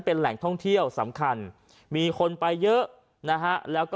เป็นแหล่งท่องเที่ยวสำคัญมีคนไปเยอะนะฮะแล้วก็